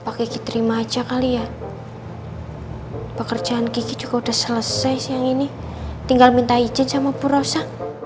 pakai terima aja kali ya pekerjaan gigi juga udah selesai siang ini tinggal minta izin sama purosa